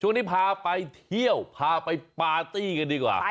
ช่วงนี้พาไปเที่ยวพาไปปาร์ตี้กันดีกว่า